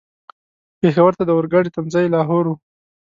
پېښور ته د اورګاډي تم ځای لاهور و.